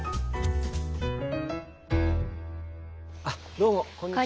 あどうもこんにちは。